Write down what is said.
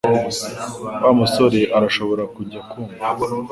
Wa musore arashobora kujya kumva